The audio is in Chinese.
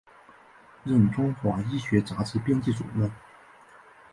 任中华医学杂志编辑主任。